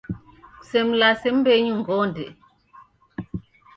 Kusemlase mbenyu ngonde!